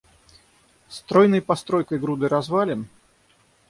Стройной постройкой, грудой развалин?